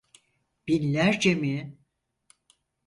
Binlerce mi?